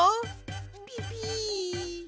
ピピッ。